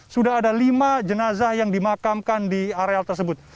sudah ada lima jenazah yang dimakamkan di areal tersebut